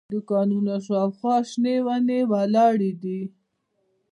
د دوکانونو شاوخوا شنې ونې ولاړې دي.